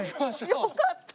よかった。